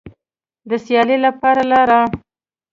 د سیالۍ لپاره لاړه